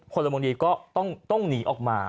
พลเมืองดีก็ต้องหนีออกมา